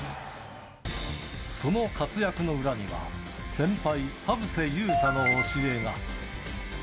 その活躍の裏には、先輩、田臥勇太の教えが。